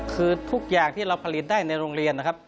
คือทุกอย่างที่เราผลิตได้ในโรงเรียนนะครับ